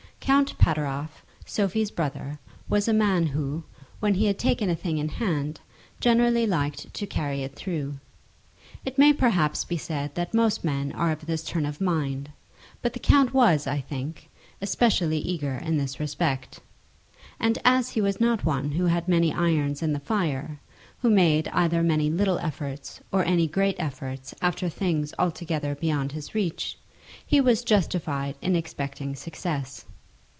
Count Pateroff, Sophie's brother, was a man who, when he had taken a thing in hand, generally liked to carry it through. It may perhaps be said that most men are of this turn of mind; but the count was, I think, especially eager in this respect. And as he was not one who had many irons in the fire, who made either many little efforts, or any great efforts after things altogether beyond his reach, he was justified in expecting success.